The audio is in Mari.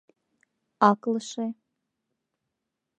Аклыше.